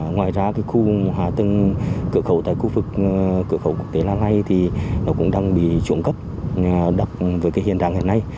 ngoài ra cái khu hóa tầng cửa khẩu tại khu vực cửa khẩu quốc tế la lây thì nó cũng đang bị trộn cấp đặc với cái hiện đại hiện nay